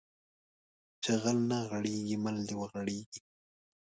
چې غل نه غېړيږي مل د وغړيږي